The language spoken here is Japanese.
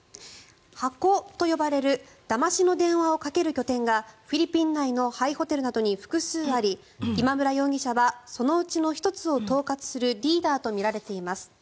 ハコと呼ばれるだましの電話をかける拠点がフィリピン内の廃ホテルなどに複数あり今村容疑者はそのうちの１つを統括するリーダーとみられています。